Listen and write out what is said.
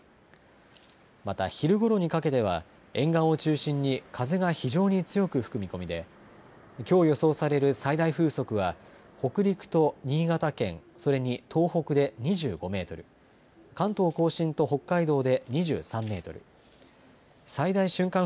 また昼ごろにかけては沿岸を中心に風が非常に強く吹く見込みできょう予想される最大風速は北陸と新潟県それに東北で２５メートル、関東甲信と北海道で２３メートル、最大瞬間